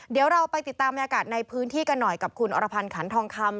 เดี๋ยวเราไปติดตามบรรยากาศในพื้นที่กันหน่อยกับคุณอรพันธ์ขันทองคำ